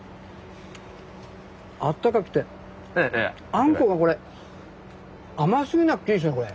あんこがこれ甘すぎなくていいですねこれ。